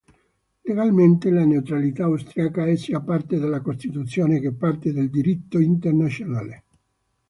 Legalmente, la neutralità austriaca è sia parte della Costituzione che parte del Diritto internazionale.